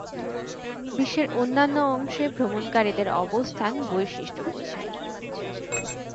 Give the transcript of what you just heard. বিশ্বের অন্যান্য অংশে ভ্রমণকারীদের বাসস্থান বৈশিষ্ট্য বোঝায়।